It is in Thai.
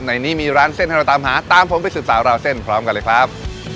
ในนี้มีร้านเส้นให้เราตามหาตามผมไปสืบสาวราวเส้นพร้อมกันเลยครับ